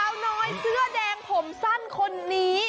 น้อยเสื้อแดงผมสั้นคนนี้